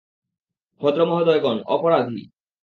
ভদ্রমহোদয়গণ, অপরাধী।